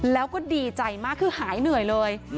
แล้วก็ดีใจมากคือหายเหนื่อยเลย